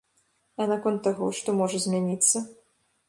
А наконт таго, што можа змяніцца?